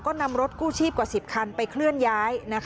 ก็นำรถกู้ชีพกว่า๑๐คันไปเคลื่อนย้าย